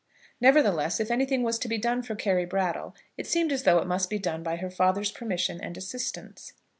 Nevertheless, if anything was to be done for Carry Brattle, it seemed as though it must be done by her father's permission and assistance.